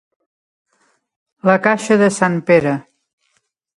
La caixa de sant Pere.